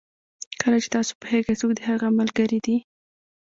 کله چې تاسو پوهېږئ څوک د هغه ملګري دي.